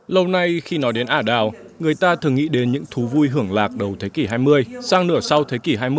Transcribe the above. lâu nay khi nói đến ả đào người ta thường nghĩ đến những thú vui hưởng lạc đầu thế kỷ hai mươi sang nửa sau thế kỷ hai mươi khi lịch sử sang trang